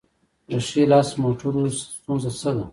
د ښي لاس موټرو ستونزه څه ده؟